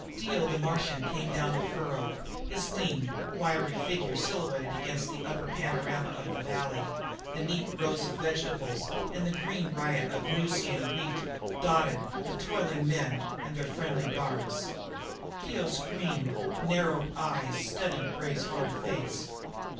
Dio the Martian came down the furrow, his lean, wiry figure silhouetted against the upper panorama of the valley; the neat rows of vegetables and the green riot of Venusian wheat, dotted with toiling men and their friendly guards. Dio's green, narrowed eyes studied Gray's hard face.